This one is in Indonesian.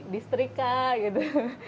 di setrika gitu